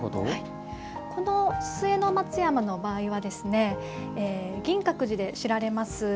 この末の松山の場合は銀閣寺で知られます